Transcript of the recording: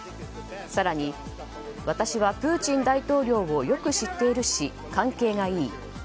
更に私はプーチン大統領をよく知っているし関係がいい。